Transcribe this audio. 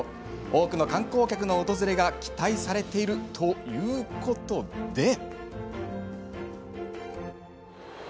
多くの観光客の訪れが期待されているということで。